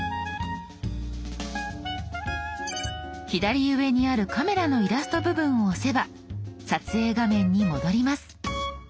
左上にあるカメラのイラスト部分を押せば撮影画面に戻ります。